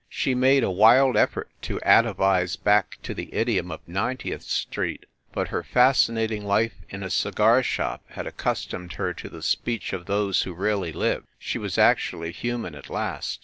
She made a wild effort to atavize back to the idiom of Ninetieth Street, but her fascinating life in a cigar shop had accustomed her to the speech of those who really live. She was actually human at last.